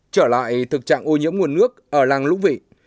trở lại thực trạng ô nhiễm nguồn nước ở làng lũng vị